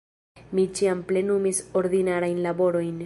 Mi ĉiam plenumis ordinarajn laborojn.